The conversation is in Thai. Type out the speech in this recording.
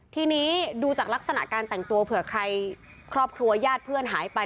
ทีนี้ดูจากลักษณะการแต่งตัวเผื่อใครครอบครัวญาติเพื่อนหายไป